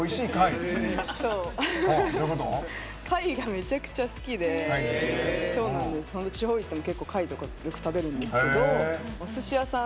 貝がめちゃくちゃ好きで地方に行っても貝とかよく食べるんですけどおすし屋さん